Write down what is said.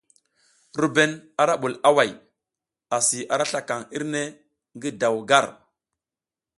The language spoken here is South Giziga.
RUBEN ara bul away, asi ara slakaŋ irne ngi daw gar.